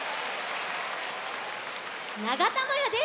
ながたまやです。